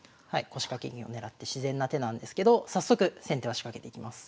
腰掛け銀を狙って自然な手なんですけど早速先手は仕掛けていきます。